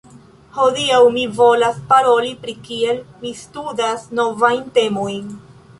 Hodiaŭ mi volas paroli pri kiel mi studas novajn temojn